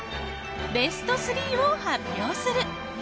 ベスト３を発表する！